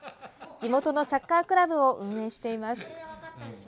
地元のサッカークラブを運営しています。